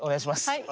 はい。